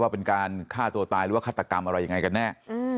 เป็นการฆ่าตัวตายหรือว่าฆาตกรรมอะไรยังไงกันแน่